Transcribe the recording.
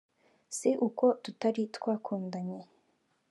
si uko tutari twakundanye